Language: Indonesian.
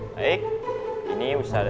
baik ini bisa